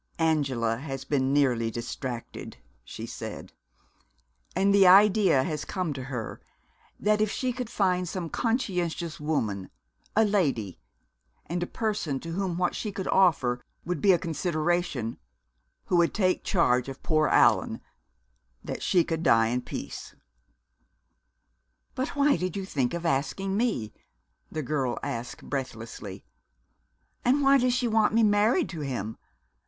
"Angela has been nearly distracted," she said. "And the idea has come to her that if she could find some conscientious woman, a lady, and a person to whom what she could offer would be a consideration, who would take charge of poor Allan, that she could die in peace." "But why did you think of asking me?" the girl asked breathlessly. "And why does she want me married to him?